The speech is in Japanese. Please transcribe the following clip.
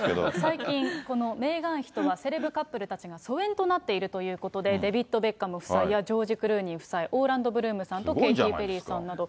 最近、このメーガン妃とはセレブカップルとは疎遠になっているということで、デビッド・ベッカム夫妻やジョージ・クルーニー夫妻、オーランド・ブルームさんとケイティ・ペリーさんなど。